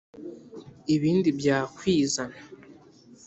ibindi byakwizana